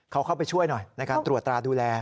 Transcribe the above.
เขาเข้าไปช่วยหน่อยในการตรวจตราดูแล